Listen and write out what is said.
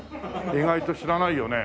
意外と知らないよね。